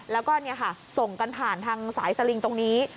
แล้วก็ส่งกันผ่านทางสายสลิงตรงนี้